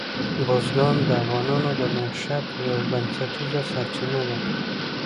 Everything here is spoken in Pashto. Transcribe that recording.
بزګان د افغانانو د معیشت یوه بنسټیزه سرچینه ده.